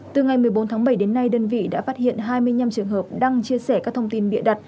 từ ngày một mươi bốn tháng bảy đến nay đơn vị đã phát hiện hai mươi năm trường hợp đăng chia sẻ các thông tin bịa đặt